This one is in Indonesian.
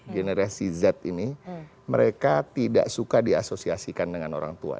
generasi z ini mereka tidak suka diasosiasikan dengan orang tua